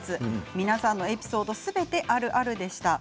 皆さんのエピソードをすべてあるあるでした。